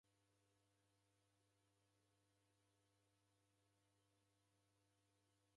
Lakini kwaki w'arighiti w'ikalia w'andu.